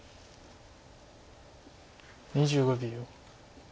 ２５秒。